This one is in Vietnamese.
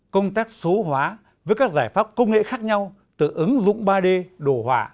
công tác số hóa với các giải pháp công nghệ khác nhau từ ứng dụng ba d đồ họa